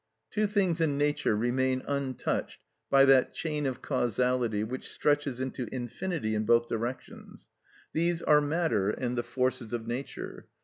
Two things in nature remain untouched by that chain of causality which stretches into infinity in both directions; these are matter and the forces of nature.